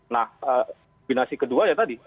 nah kombinasi kedua ya tadi